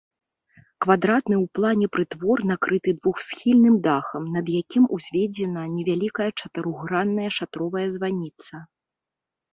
Квадратны ў плане прытвор накрыты двухсхільным дахам, над якім узведзена невялікая чатырохгранная шатровая званіца.